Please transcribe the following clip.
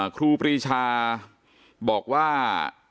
คลูย์ฟรีชาบอกว่า